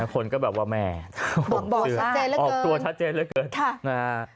คนก็แบบว่าแม่ออกตัวชัดเจนเหลือเกิน